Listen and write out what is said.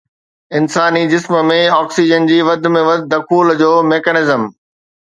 انساني جسم ۾ آڪسيجن جي وڌ ۾ وڌ دخول جو ميکانيزم